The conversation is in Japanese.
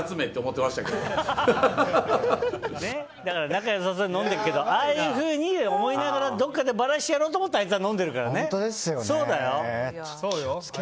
仲良さそうに飲んでるけどああいうふうに思いながらどっかでばらしてやろうと思ってあいつは飲んでるからね。